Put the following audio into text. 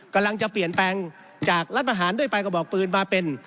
กำลังจะเปลี่ยนแปลงจากรัฐประหารด้วยปลายกระบอกปืนมาเป็น